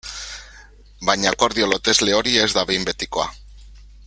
Baina akordio lotesle hori ez da behin betikoa.